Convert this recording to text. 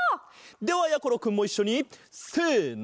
ではやころくんもいっしょにせの。